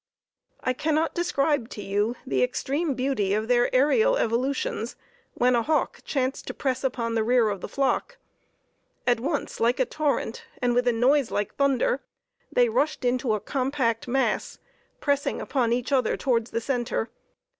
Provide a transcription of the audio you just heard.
I cannot describe to you the extreme beauty of their aërial evolutions, when a hawk chanced to press upon the rear of the flock. At once, like a torrent, and with a noise like thunder, they rushed into a compact mass, pressing upon each other towards the center.